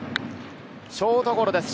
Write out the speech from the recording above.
ショートゴロです。